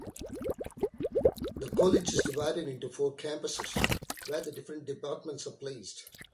The college is divided into four campuses where the different departments are placed.